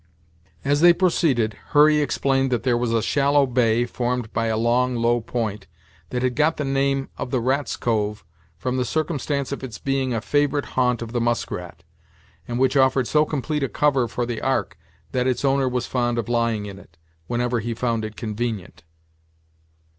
As they proceeded, Hurry explained that there was a shallow bay, formed by a long, low point, that had got the name of the "Rat's Cove," from the circumstance of its being a favorite haunt of the muskrat; and which offered so complete a cover for the "ark," that its owner was fond of lying in it, whenever he found it convenient.